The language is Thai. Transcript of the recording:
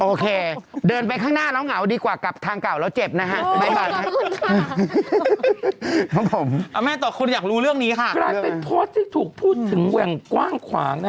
โอเคเดินไปข้างหน้าล้างาวดีกว่ากลับทางเก่า